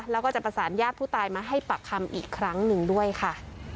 แล้วก็จะประสานญาติผู้ตายมาให้ปากคำอีกครั้งหนึ่งด้วยค่ะ